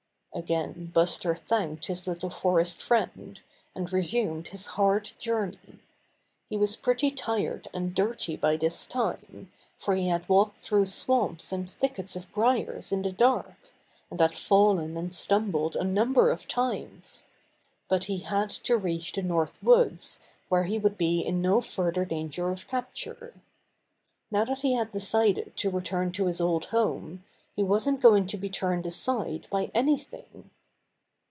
Again Buster thanked his little forest friend, and resumed his hard journey. He was pretty tired and dirty by this time, for he had walked through swamps and thickets of briars in the dark, and had fallen and stumbled a number of times. But he had to reach the North Woods where he would be in no further dan ger of capture. Now that he had decided to return to his old home, he wasn't going to be turned aside by anything.